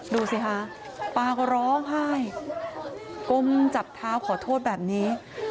ดูสิคะป้าก็ร้องไห้ก้มจับเท้าขอโทษแบบนี้